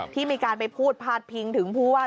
ที่มีการไปพูดพาดพิงถึงผู้ว่า